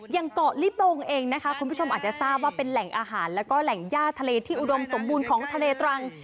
อย่างเกาะลิบงเองนะคะคุณผู้ชมอาจจะทราบว่าเป็นแหล่งอาหารแล้วก็แหล่งย่าทะเลที่อุดมสมบูรณ์ของทะเลตรัง